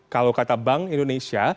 kalau kata bank indonesia